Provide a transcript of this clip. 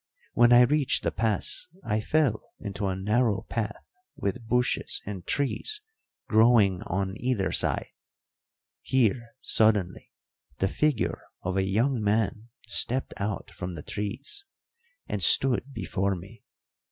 When I reached the pass I fell into a narrow path with bushes and trees growing on either side; here, suddenly, the figure of a young man stepped out from the trees and stood before me.